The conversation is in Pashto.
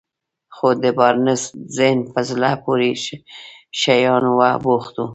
خو د بارنس ذهن په زړه پورې شيانو بوخت و.